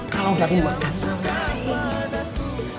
kalau dari makatan lain